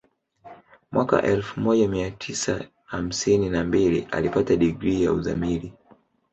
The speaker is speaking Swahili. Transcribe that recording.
Mwaka elfu moja mia tisa hamsini na mbili alipata digrii ya uzamili